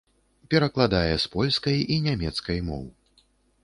Перакладае з польскай і нямецкай моў.